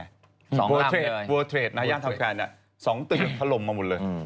เวอร์เทรดย่างไทม์สแกวร์สองตึกถล่มมาหมดเลย